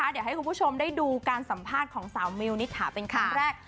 เดี๋ยวให้คุณผู้ชมได้ดูการสัมภาษณ์ของสาวมิวนิษฐาเป็นครั้งแรก